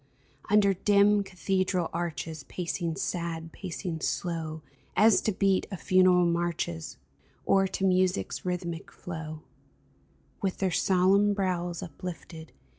Under dim cathedral arches Pacing sad, pacing slow, As to beat of funeral marches Or to music's rhythmic flow — With their solemn brows uplifted.